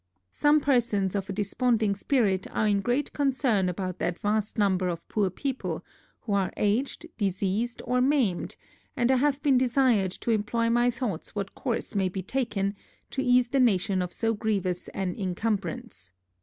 Some persons of a desponding spirit are in great concern about that vast number of poor people, who are aged, diseased, or maimed; and I have been desired to employ my thoughts what course may be taken, to ease the nation of so grievous an incumbrance.